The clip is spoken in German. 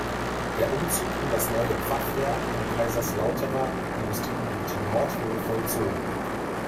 Der Umzug in das neue Pfaff-Werk im Kaiserslauterer Industriegebiet Nord wurde vollzogen.